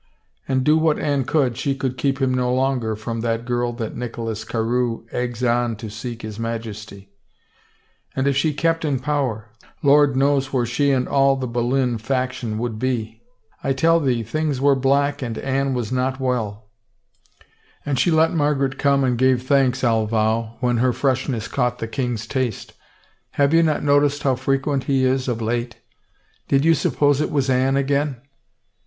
And do what Anne could, she could keep him no longer from that girl that Nicholas Carewe eggs on to seek his Majesty. And if she kept in power — Lord knows where she and all the Boleyn faction would bel I tell thee things were black and Anne was not well — and she let Margaret come and gave thanks, I'll vow, when her freshness caught the king's taste. Have you not no ticed how frequent he is of late? Did you suppose it was Anne again?